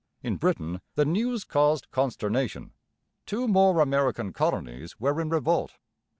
In Britain the news caused consternation. Two more American colonies were in revolt.